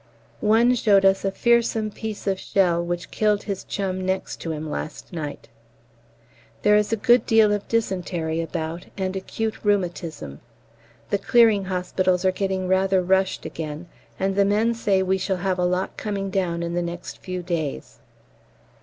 One showed us a fearsome piece of shell which killed his chum next to him last night. There is a good deal of dysentery about, and acute rheumatism. The Clearing Hospitals are getting rather rushed again, and the men say we shall have a lot coming down in the next few days.